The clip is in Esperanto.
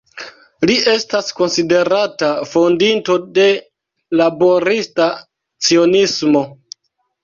Li estas konsiderata fondinto de Laborista Cionismo.